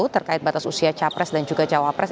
terkait batas usia capres dan juga cawapres